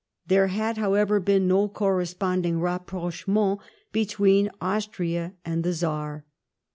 There had, however, been no corresponding rapprochement between Austria and the Czar.